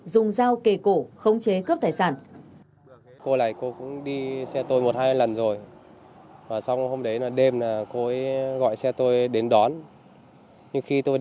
dùng dao kề cổ khống chế cướp tài sản